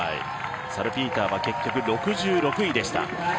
サルピーターは結局６６位でした。